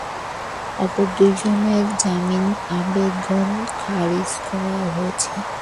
অপর দুজনের জামিন আবেদন খারিজ করা হয়েছে।